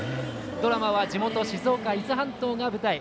ドラマは地元静岡・伊豆半島が舞台。